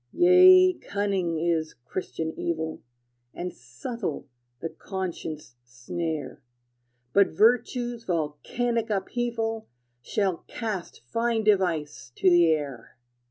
Yea, cunning is Christian evil, And subtle the conscience' snare; But virtue's volcanic upheaval Shall cast fine device to the air!